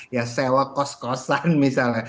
ya sewa kos kosan misalnya